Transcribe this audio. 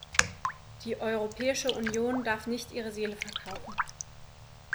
Die Europäische Union darf nicht ihre Seele verkaufen.